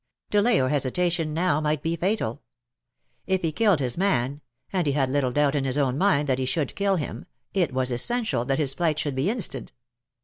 Delay or hesitation now might be fatal. If he killed his man — and he had little doubt in his own mind that he should kill him — it was essential that his flight should be instant.